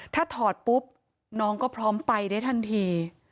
ถ้าถอดปุ๊บน้องก็พร้อมไปได้ทันที